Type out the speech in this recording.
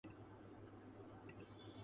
مختلف الفاظ میں ملتی ہے